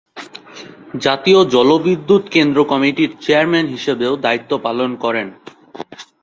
জাতীয় জলবিদ্যুৎ কেন্দ্র কমিটির চেয়ারম্যান হিসেবেও দায়িত্ব পালন করেন।